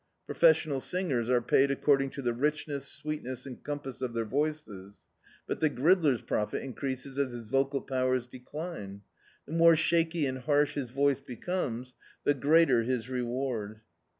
Professional singers are paid according to the richness, sweetness, and compass of their voices, but the gridler's profit increases as his vocal powers decline. The more shaky and harsh bis voice becomes, the greater his reward.